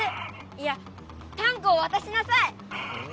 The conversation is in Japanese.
いやタンクをわたしなさい！